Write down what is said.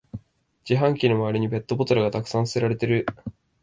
自販機の周りにペットボトルがたくさん捨てられてる